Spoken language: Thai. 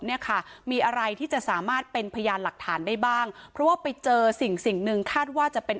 เนี่ยค่ะมีอะไรที่จะสามารถเป็นพยานหลักฐานได้บ้างเพราะว่าไปเจอสิ่งสิ่งหนึ่งคาดว่าจะเป็น